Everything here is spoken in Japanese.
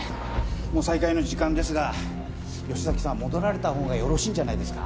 もう再開の時間ですが吉崎さん戻られたほうがよろしいんじゃないですか？